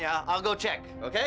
aku akan cek oke